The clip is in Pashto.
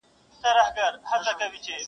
ته به وایې نې خپلوان نه یې سیالان دي,